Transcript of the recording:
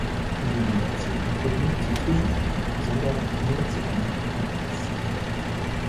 Die Reaktion führt nicht zu Zwischenstufen sondern nur zu einem Übergangszustand.